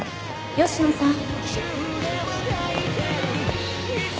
吉野さん。